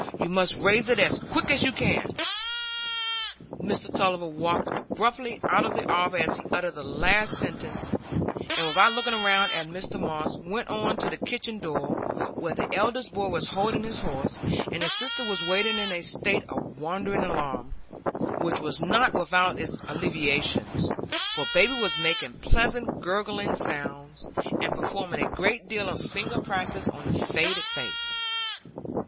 You must raise it as quick as you can." Mr Tulliver walked abruptly out of the arbour as he uttered the last sentence, and, without looking round at Mr Moss, went on to the kitchen door, where the eldest boy was holding his horse, and his sister was waiting in a state of wondering alarm, which was not without its alleviations, for baby was making pleasant gurgling sounds, and performing a great deal of finger practice on the faded face.